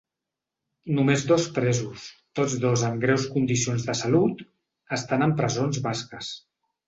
Només dos presos, tots dos en greus condicions de salut, estan en presons basques.